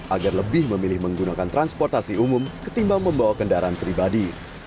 agar lebih memilih menggunakan transportasi umum ketimbang membawa kendaraan pribadi